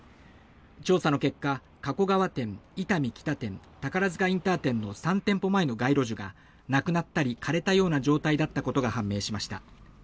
調査の結果、加古川店伊丹北店、宝塚インター店の３店舗前の街路樹がなくなったり枯れたような状態だったことが判明しました。